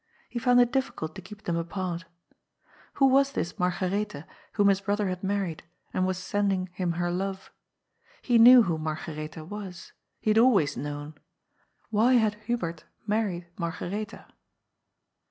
He found it difScult to keep them apart. Who was this Margaretha whom his brother had married, and who was sending him her love? He knew who " Mar garetha " was. He had always known. Why had Hubert married Margaretha?